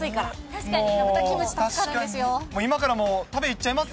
確かに、今からもう食べ行っちゃいます？